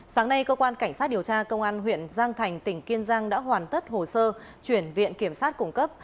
sáng nay cơ quan cảnh sát điều tra công an huyện giang thành tỉnh kiên giang đã hoàn tất hồ sơ chuyển viện kiểm sát cung cấp